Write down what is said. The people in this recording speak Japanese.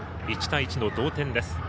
１対１の同点です。